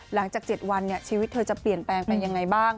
หลังจาก๗วันชีวิตเธอจะเปลี่ยนแปลงไปยังไงบ้าง